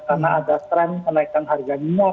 karena ada tren kenaikan harga nilai